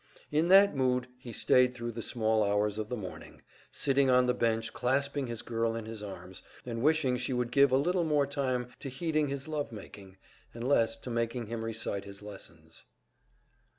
In that mood he stayed thru the small hours of the morning, sitting on the bench clasping his girl in his arms, and wishing she would give a little more time to heeding his love making, and less to making him recite his lessons.